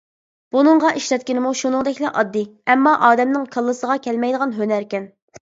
بۇنىڭغا ئىشلەتكىنىمۇ شۇنىڭدەكلا ئاددىي ئەمما ئادەمنىڭ كاللىسىغا كەلمەيدىغان ھۈنەركەن.